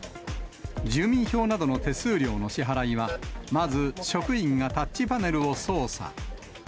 住民票などの手数料の支払いは、まず職員がタッチパネルを操作。